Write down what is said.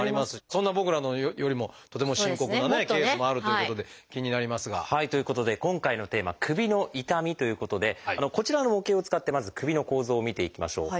そんな僕らよりもとても深刻なケースもあるということで気になりますが。ということで今回のテーマ「首の痛み」ということでこちらの模型を使ってまず首の構造を見ていきましょう。